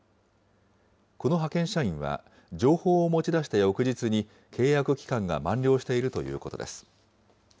この派遣社員は、情報を持ち出した翌日に契約期間が満了しているということです。